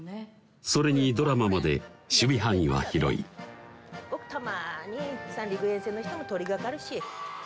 それにドラマまで守備範囲は広い「ごくたまに三陸沿線の人も通りかかるし」